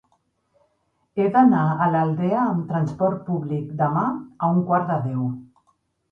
He d'anar a l'Aldea amb trasport públic demà a un quart de deu.